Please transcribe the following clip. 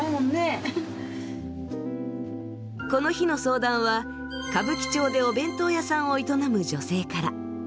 この日の相談は歌舞伎町でお弁当屋さんを営む女性から。